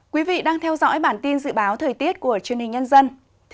quý vị đang theo dõi bản tin dự báo thời tiết của chương trình nhân dân